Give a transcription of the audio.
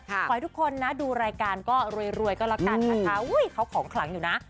ขอให้ทุกคนนะดูรายการก็รวยก็แล้วกันนะคะเขาของขลังอยู่นะ